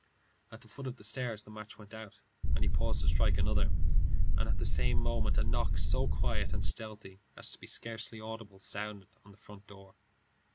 At the foot of the stairs the match went out, and he paused to strike another; and at the same moment a knock, so quiet and stealthy as to be scarcely audible, sounded on the front door.